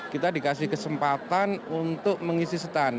kita dikasih kesempatan untuk mengisi setan